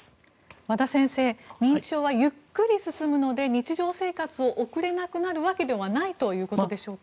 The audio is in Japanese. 和田先生、認知症はゆっくり進むので日常生活を送れなくなるわけではないということでしょうか。